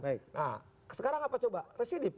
nah sekarang apa coba residip